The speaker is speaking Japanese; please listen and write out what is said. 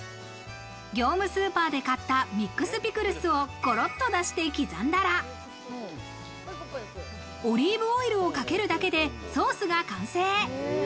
業務スーパーで買ったミックスピクルスをごろっと出して刻んだら、オリーブオイルをかけるだけでソースが完成。